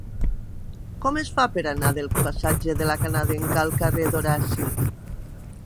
Com es fa per anar del passatge de La Canadenca al carrer d'Horaci?